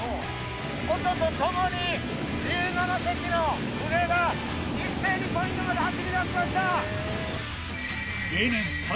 音とともに、１７隻の船が、一斉にポイントまで走りだしました！